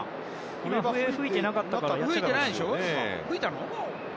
今は笛を吹いてなかったから。